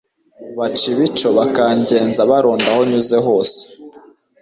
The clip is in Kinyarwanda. Baca ibico bakangenza baronda aho nyuze hose